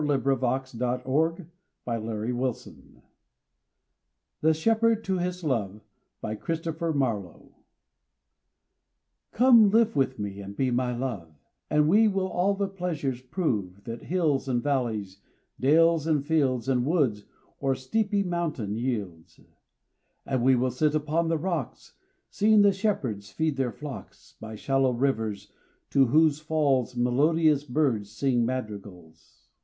William Butler Yeats RAINBOW GOLD THE SHEPHERD TO HIS LOVE COME live with me and be my love, And we will all the pleasures prove That hills and vallies, dales and fields, And woods or steepy mountain yields. And we will sit upon the rocks, Seeing the shepherds feed their flocks By shallow rivers to whose falls Melodious birds sing madrigals.